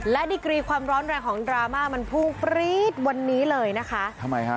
และดีกรีความร้อนแรงของดราม่ามันพุ่งปรี๊ดวันนี้เลยนะคะทำไมฮะ